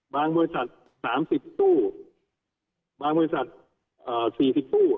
บางบริษัทสามสิบตู้บางบริษัทสี่สิบตู้